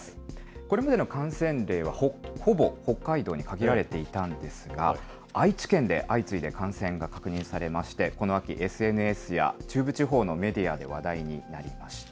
これまでの感染例は、ほぼ北海道に限られていたんですが、愛知県で相次いで感染が確認されまして、この秋、ＳＮＳや中部地方のメディアで話題になりました。